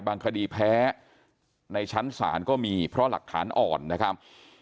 คดีแพ้ในชั้นศาลก็มีเพราะหลักฐานอ่อนนะครับ